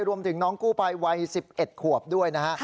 รวมถึงน้องกู้ภัยวัย๑๑ขวบด้วยนะฮะ